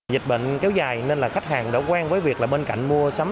dịch bệnh kéo dài nên là khách hàng đã quen với việc là bên cạnh mua sắm